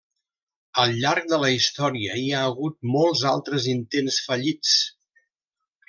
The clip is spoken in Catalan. Al llarg de la història hi ha hagut molts altres intents fallits.